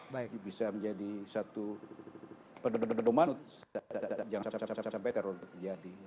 bisa menjadi satu pedoman untuk jangan sampai teror itu terjadi